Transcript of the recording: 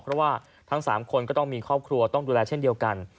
เพราะว่าทั้ง๓คนก็ต้องมีครอบครัวต้องดูแลเช่นเดียวกัน